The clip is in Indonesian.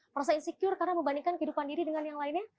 merasa insecure karena membandingkan kehidupan diri dengan yang lainnya